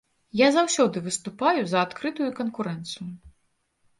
Я заўсёды выступаю за адкрытую канкурэнцыю.